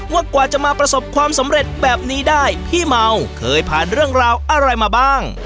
กว่าจะมาประสบความสำเร็จแบบนี้ได้พี่เมาเคยผ่านเรื่องราวอะไรมาบ้าง